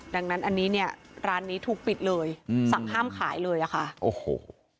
ดังนั้นอันนี้เนี่ยร้านนี้ถูกปิดเลยอืมสั่งห้ามขายเลยอ่ะค่ะโอ้โห